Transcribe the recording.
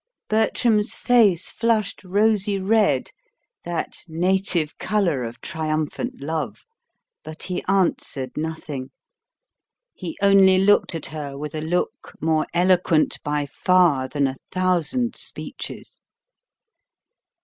Bertram's face flushed rosy red, that native colour of triumphant love; but he answered nothing. He only looked at her with a look more eloquent by far than a thousand speeches.